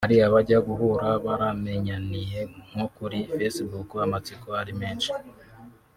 Hari abajya guhura baramenyaniye nko kuri Facebook amatsiko ari menshi